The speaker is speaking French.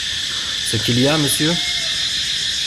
Ce qu’il y a, monsieur!